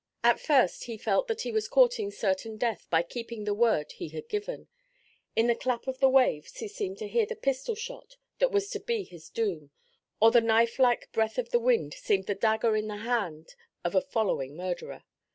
At first he felt that he was courting certain death by keeping the word he had given; in the clap of the waves he seemed to hear the pistol shot that was to be his doom, or the knife like breath of the wind seemed the dagger in the hand of a following murderer.